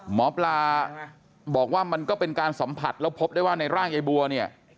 หมอปลาบอกว่ามันก็เป็นการสัมผัสแล้วพบได้ว่าในร่างยายบัวเนี่ย